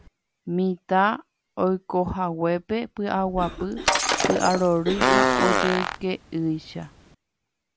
mitã oikohaguépe py'aguapy, py'arory ha ojoyke'ýicha